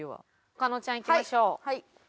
加納ちゃんいきましょう。